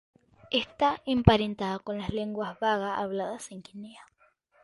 Está emparentada con las lenguas baga habladas en Guinea.